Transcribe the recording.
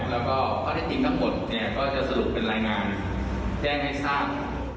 แล้วก็ข้อที่จริงทั้งหมดก็จะสรุปเป็นรายงานแจ้งให้ทราบ